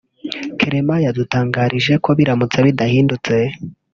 Clement yadutangarije ko biramutse bidahindutse